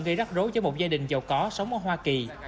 gây rắc rối cho một gia đình giàu có sống ở hoa kỳ